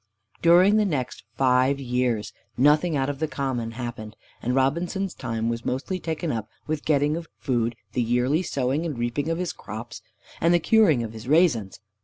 During the next five years nothing out of the common happened, and Robinson's time was mostly taken up with the getting of food, the yearly sowing and reaping of his crops, and the curing of his raisins.